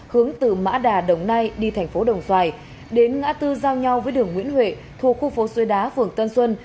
hướng từ mã đà đồng nai đi thành phố đồng xoài đến ngã tư giao nhau với đường nguyễn huệ thuộc khu phố xuôi đá phường tân xuân